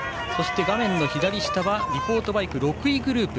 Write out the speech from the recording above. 画面左下はリポートバイク、６位グループ。